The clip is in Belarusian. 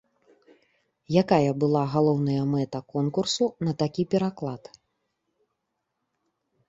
Якая была галоўная мэта конкурсу на такі пераклад?